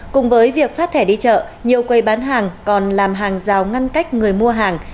cùng với việc phát thẻ đi chợ nhiều quầy bán hàng còn làm hàng rào ngăn cách người mua hàng